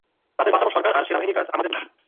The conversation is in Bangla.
তাদের বাঁচানো সরকার আর সেনাবাহিনীর কাজ, আমাদের না।